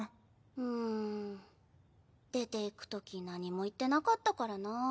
うん。出ていくとき何も言ってなかったからなぁ。